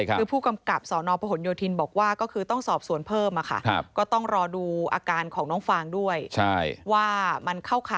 คือผู้กำกับสพโยธินบอกว่าก็คือต้องสอบส่วนเพิ่มค่ะ